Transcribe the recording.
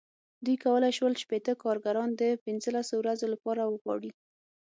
دوی کولای شول شپېته کارګران د پنځلسو ورځو لپاره وغواړي.